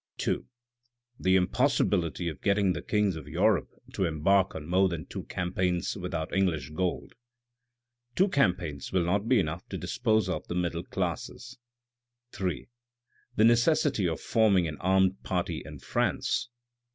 "2. The impossibility of getting the kings of Europe to embark on more than two campaigns without English gold ; two campaigns will not be enough to dispose of the middle classes. " 3. The necessity of forming an armed party in France.